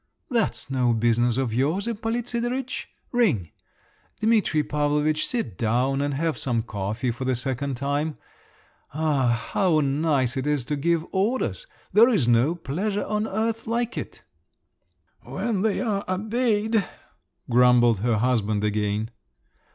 "That's no business of yours, Ippolit Sidoritch! Ring! Dimitri Pavlovitch, sit down and have some coffee for the second time. Ah, how nice it is to give orders! There's no pleasure on earth like it!" "When you're obeyed," grumbled her husband again.